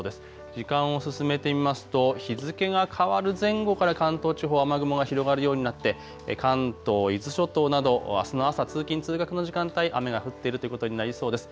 時間を進めてみますと日付が変わる前後から関東地方、雨雲が広がるようになって関東、伊豆諸島などをあすの朝通勤通学の時間帯、雨が降っているということになりそうです。